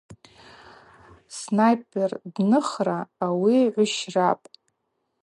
Снайпер дныхра – ауи гӏвщрапӏ.